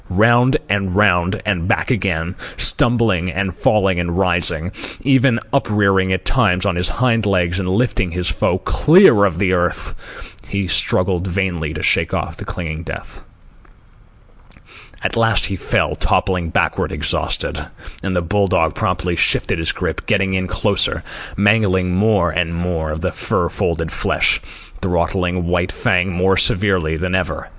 Round and round and back again, stumbling and falling and rising, even uprearing at times on his hind legs and lifting his foe clear of the earth, he struggled vainly to shake off the clinging death. At last he fell, toppling backward, exhausted; and the bull dog promptly shifted his grip, getting in closer, mangling more and more of the fur folded flesh, throttling White Fang more severely than ever.